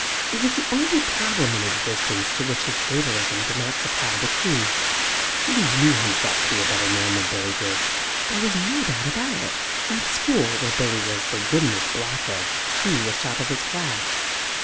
It was the only problem in existence to which his fatalism did not supply the key. He knew himself to be a better man than Billy Goodge. There was no doubt about it. At school, where Billy was the woodenest blockhead, he was top of his class.